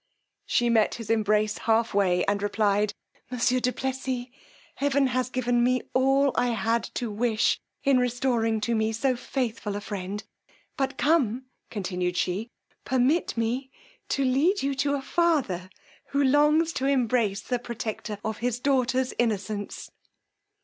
She met his embrace half way, and replied, monsieur du Plessis, heaven has given me all I had to wish in restoring to me so faithful a friend; but come, continued she, permit me to lead you to a father, who longs to embrace the protector of his daughter's innocence.